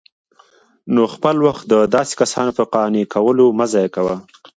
نو خپل وخت د داسي كسانو په قانع كولو مه ضايع كوه